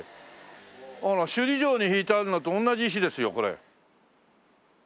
あら首里城に敷いてあるのと同じ石ですよこれ。